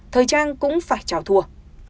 thời trang cũng phải chào thua